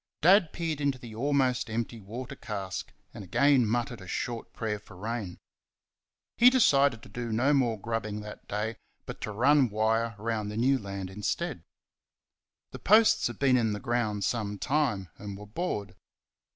Dad peered into the almost empty water cask and again muttered a short prayer for rain. He decided to do no more grubbing that day, but to run wire around the new land instead. The posts had been in the ground some time, and were bored.